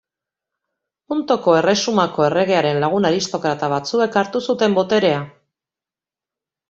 Pontoko Erresumako erregearen lagun aristokrata batzuek hartu zuten boterea.